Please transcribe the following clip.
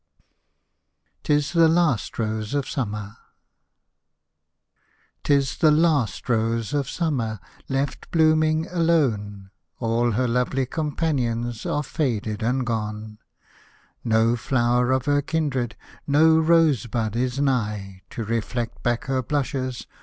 'TIS THE LAST ROSE OF SUMMER 'Tis the last rose of summer Left blooming alone ; All her lovely companions Are faded and gone ; No flower of her kindred, No rose bud is nigh, To reflect back her blushes.